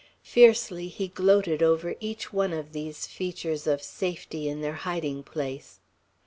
Fiercely he gloated over each one of these features of safety in their hiding place.